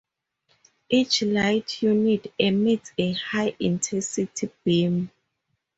Each light unit emits a high-intensity beam.